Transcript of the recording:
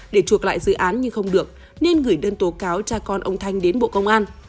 để chuộc lại dự án nhưng không được nên gửi đơn tố cáo cha con ông thanh đến bộ công an